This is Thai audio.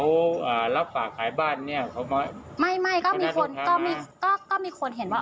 เขาอ่ารับฝากขายบ้านเนี้ยเขาไหมไม่ไม่ก็มีคนก็ไม่ก็ก็มีคนเห็นว่า